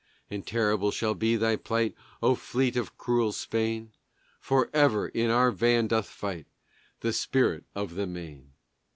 And terrible shall be thy plight, O fleet of cruel Spain! Forever in our van doth fight The spirit of the Maine!